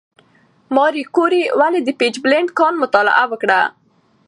ماري کوري ولې د پیچبلېند کان مطالعه وکړه؟